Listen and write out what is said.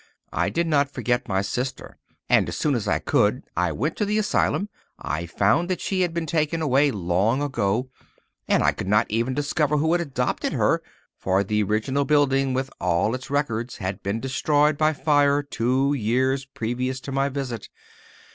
I did not forget my sister, and as soon as I could I went to the asylum. I found that she had been taken away long before, and I could not even discover who had adopted her, for the original building, with all its records, had been destroyed by fire two years previous to my visit.